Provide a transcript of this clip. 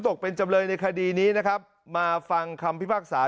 ตกเป็นจำเลยในคดีนี้นะครับมาฟังคำพิพากษา